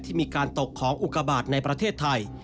ที่มีการตกของอุกาบาทในประเทศไทย